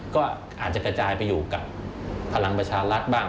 ก็อาจจะกระจายไปอยู่กับพลังประชารัฐบ้าง